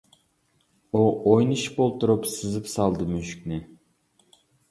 ئۇ ئوينىشىپ ئولتۇرۇپ، سىزىپ سالدى مۈشۈكنى.